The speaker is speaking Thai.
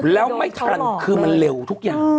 แล้วไม่ทันคือมันเร็วทุกอย่าง